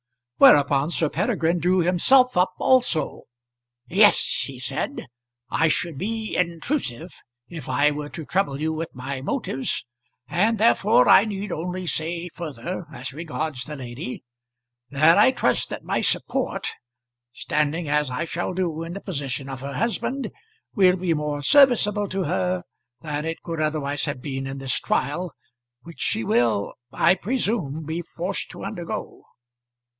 Whereupon Sir Peregrine drew himself up also. "Yes," he said. "I should be intrusive if I were to trouble you with my motives, and therefore I need only say further as regards the lady, that I trust that my support, standing as I shall do in the position of her husband, will be more serviceable to her than it could otherwise have been in this trial which she will, I presume, be forced to undergo."